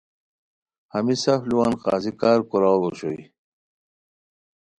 ہمی سف لوُان قاضی کارکوراؤ اوشوئے